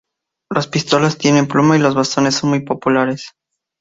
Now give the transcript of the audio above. Las pistolas tipo pluma y los bastones son muy populares.